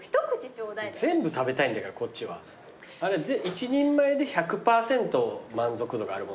一人前で１００％満足度があるもんだから。